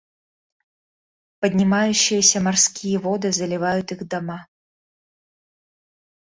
Поднимающиеся морские воды заливают их дома.